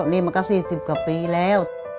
ตอนนี้มันก็สี่สิบกว่าปีแล้ว